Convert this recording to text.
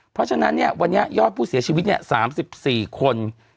เพราะฉะนั้นวันนี้ยอดผู้เสียชีวิต๓๔คน